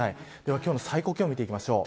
今日の最高気温を見ていきます。